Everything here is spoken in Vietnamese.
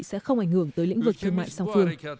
sẽ không ảnh hưởng tới lĩnh vực thương mại song phương